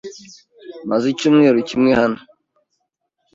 Maze icyumweru kimwe hano.